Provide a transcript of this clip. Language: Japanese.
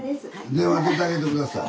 電話出てあげて下さい。